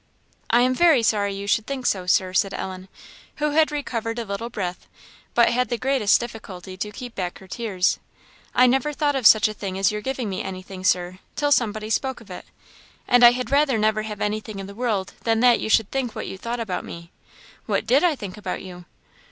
"I am very sorry you should think so, Sir," said Ellen, who had recovered a little breath, but had the greatest difficulty to keep back her tears; "I never thought of such a thing as your giving me anything, Sir, till somebody spoke of it; and I had rather never have anything in the world than that you should think what you thought about me." "What did I think about you?"